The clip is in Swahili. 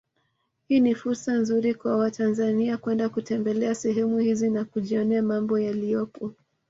Hii ni fursa nzuri kwa watanzania kwenda kutembelea sehemu hizi na kujionea mambo yaliyopo